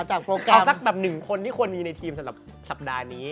โปรแกรมสักแบบหนึ่งคนที่ควรมีในทีมสำหรับสัปดาห์นี้